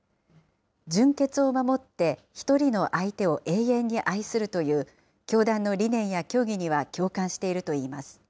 純潔を守って１人の相手を永遠に愛するという教団の理念や教義には共感しているといいます。